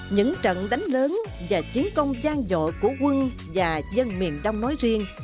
những trận đánh lớn và chiến công gian dội của quân và dân miền đông nói riêng